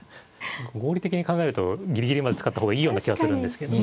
合理的に考えるとぎりぎりまで使った方がいいような気がするんですけど。